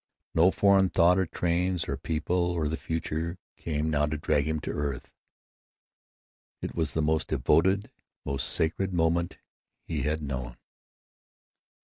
No foreign thought of trains or people or the future came now to drag him to earth. It was the most devoted, most sacred moment he had known.